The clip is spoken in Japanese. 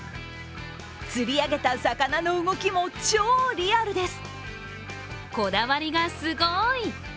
釣り上げた魚の動きも超リアルです。